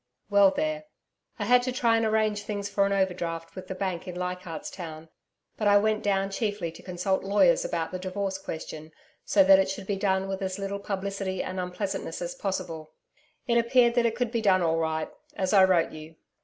Well there! I had to try and arrange things for an overdraft with the Bank in Leichardt's Town, but I went down chiefly to consult lawyers about the divorce question, so that it should be done with as little publicity and unpleasantness as possible. It appeared that it could be done all right as I wrote you.